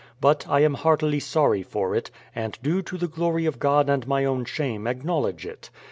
But I am heartily sorry for it, and do to the glory of God and my own shame acknowledge it.